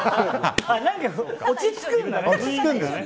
落ち着くんだね。